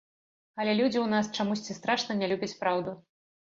Але людзі ў нас чамусьці страшна не любяць праўду.